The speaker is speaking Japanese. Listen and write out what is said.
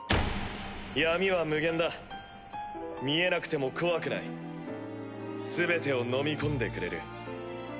闇は無限だ見えなくても怖くないすべてを飲み込んでくれる。